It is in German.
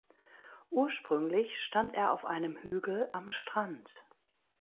Ursprünglich stand er auf einem Hügel am Strand.